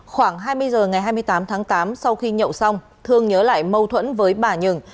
khoảng hai mươi h ngày hai mươi tám tháng tám sau khi nhậu xong thương nhớ lại mâu thuẫn với bà nhường